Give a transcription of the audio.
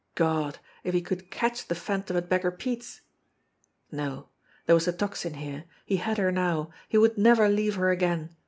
God, if he could catch the Phantom at Beggar Pete's ! No ! There was the Tocsin here he had her now he would never leave her again.